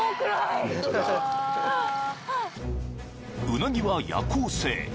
［うなぎは夜行性］